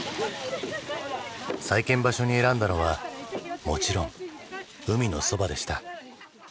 再建場所に選んだのはもちろん海のそばでした。